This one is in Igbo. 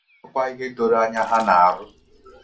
ma nwekwa ihe doro anya ha na-arụ